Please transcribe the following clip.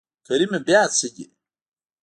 کريمه بيا څه دي.